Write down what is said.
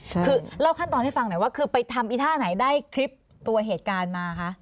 คือเล่าขั้นตอนให้ฟังหน่อยว่าคือไปทำอีท่าไหนได้คลิปตัวเหตุการณ์มาคะ